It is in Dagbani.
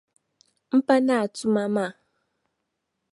M-pa naai tuma maa.